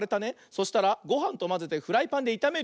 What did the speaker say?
そしたらごはんとまぜてフライパンでいためるよ。